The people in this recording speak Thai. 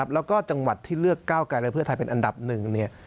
แล้วก็จังหวัดที่เลือกก้าวไกลและเพื่อไทยเป็นอันดับหนึ่ง